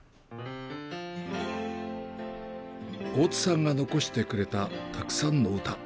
大津さんが残してくれたたくさんの歌。